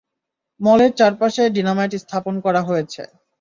মলের চারপাশে ডিনামাইট স্থাপন করা হয়েছে।